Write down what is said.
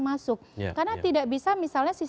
masuk karena tidak bisa misalnya